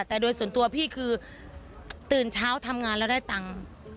แต่โดยส่วนตัวพี่คือตื่นเช้าทำงานแล้วได้ตังค์